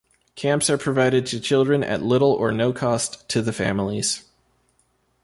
Camps are provided to children at little or no cost to the families.